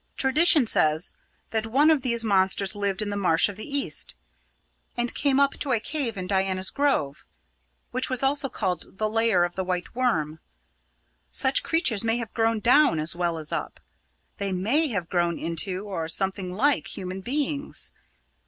Tradition says that one of these monsters lived in the Marsh of the East, and came up to a cave in Diana's Grove, which was also called the Lair of the White Worm. Such creatures may have grown down as well as up. They may have grown into, or something like, human beings.